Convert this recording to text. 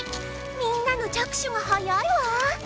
みんなの着手が早いわ。